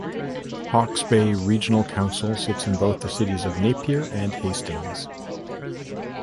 Hawke's Bay Regional Council sits in both the cities of Napier and Hastings.